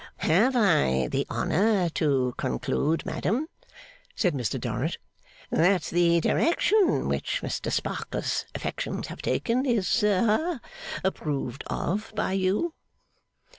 'Have I the honour to conclude, madam,' said Mr Dorrit, 'that the direction which Mr Sparkler's affections have taken, is ha approved of by you?